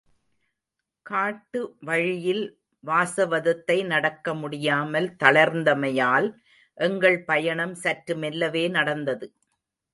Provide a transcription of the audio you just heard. காட்டு வழியில் வாசவதத்தை நடக்க முடியாமல் தளர்ந்தமையால் எங்கள் பயணம் சற்று மெல்லவே நடந்தது.